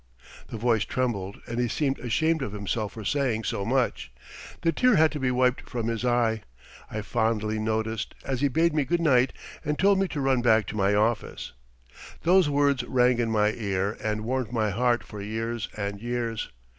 The voice trembled and he seemed ashamed of himself for saying so much. The tear had to be wiped from his eye, I fondly noticed, as he bade me good night and told me to run back to my office. Those words rang in my ear and warmed my heart for years and years.